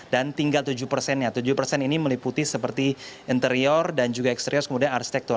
dan tinggal tujuh persennya tujuh persen ini meliputi seperti interior dan juga eksterior kemudian arsitektur